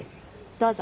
どうぞ。